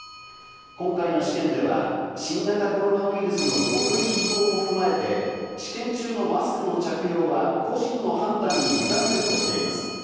今回の試験では、新型コロナウイルスの５類移行を踏まえて、試験中のマスクの着用は個人の判断に委ねるとしています。